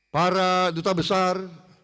para duta besar